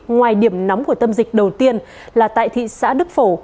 ngoài điểm nóng của tâm dịch đầu tiên là tại thị xã đức phổ